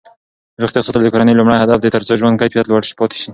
روغتیا ساتل د کورنۍ لومړنی هدف دی ترڅو ژوند کیفیت لوړ پاتې شي.